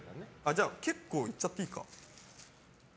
じゃあ結構いっちゃっていいか。